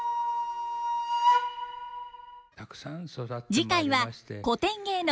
次回は古典芸能